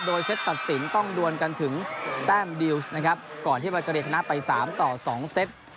โดยเซตตัดสินต้องดวนกันถึงแต้มดิวส์นะครับก่อนที่บาเกรดชนะไป๓ต่อ๒เซต